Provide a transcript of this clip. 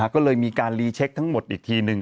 ก็เลยมีการรีเช็คทั้งหมดอีกทีหนึ่ง